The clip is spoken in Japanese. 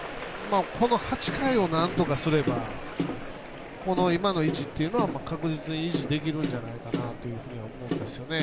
この８回をなんとかすればこの今の位置っていうのは確実に維持できるんじゃないかなと思うんですよね。